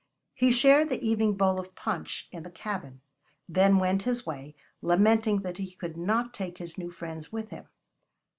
He shared the evening bowl of punch in the cabin, then went his way lamenting that he could not take his new friends with him.